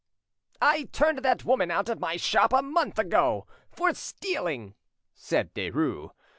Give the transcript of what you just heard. "I turned that woman out of my shop a month ago, for stealing," said Derues.